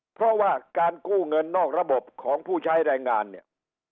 เพราะว่าการกู้เงินนอกระบบของผู้ใช้แรงงานเนี่ย